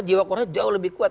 jiwa koran jauh lebih kuat